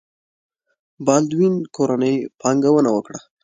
بالډوین کورنۍ پانګونه وکړه.